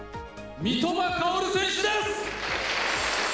三笘薫選手です！